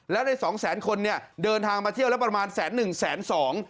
แล้วในสองแสนคนเนี่ยเดินทางมาเที่ยวแล้วประมาณแสนหนึ่งแสนสอง